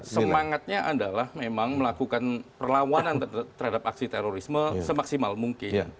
semangatnya adalah memang melakukan perlawanan terhadap aksi terorisme semaksimal mungkin